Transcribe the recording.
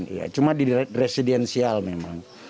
ya cuma di residensial memang